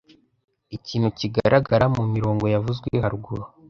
ikintu kigaragara mumirongo yavuzwe haruguru